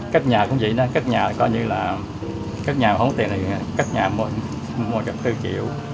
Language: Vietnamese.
các nhà cũng dĩ đó các nhà có như là các nhà không có tiền thì các nhà mua mua gặp thư chịu